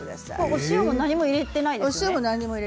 お塩も何も入れていないです。